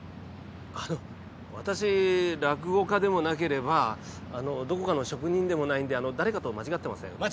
あの私落語家でもなければどこかの職人でもないんで誰かと間違ってません？